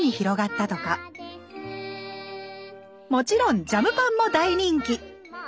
もちろんジャムパンも大人気！